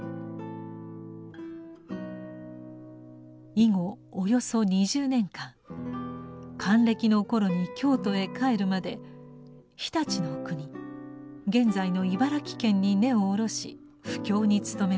以後およそ２０年間還暦の頃に京都へ帰るまで常陸の国現在の茨城県に根を下ろし布教に努めました。